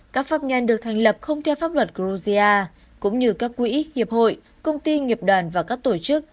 các pháp nhân được thành lập không theo pháp luật georgia cũng như các quỹ hiệp hội công ty nghiệp đoàn và các tổ chức